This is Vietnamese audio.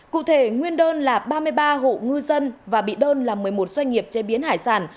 cụ thể nguyên đơn là ba mươi ba hộ ngư dân và bị đơn là một mươi một doanh nghiệp chế biến hải sản